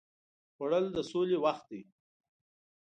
خوړل د سولې وخت دی